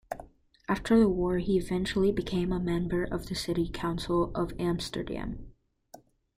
After the war he eventually became a member of the city council of Amsterdam.